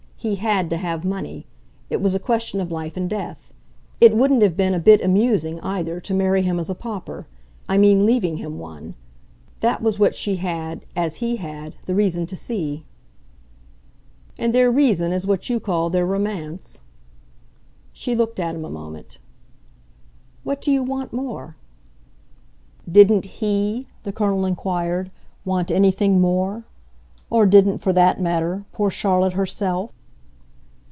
He HAD to have money it was a question of life and death. It wouldn't have been a bit amusing, either, to marry him as a pauper I mean leaving him one. That was what she had as HE had the reason to see." "And their reason is what you call their romance?" She looked at him a moment. "What do you want more?" "Didn't HE," the Colonel inquired, "want anything more? Or didn't, for that matter, poor Charlotte herself?"